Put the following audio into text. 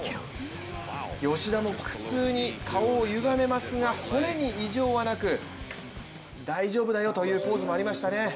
吉田も苦痛に顔をゆがめますが骨に異常はなく大丈夫だよというポーズもありましたね。